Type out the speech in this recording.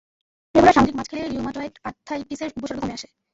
Regular সামুদ্রিক মাছ খেলে রিউমাটয়েড আর্থাইটিসের উপসর্গ কমে আসে।